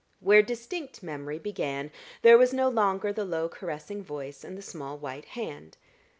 Where distinct memory began, there was no longer the low caressing voice and the small white hand.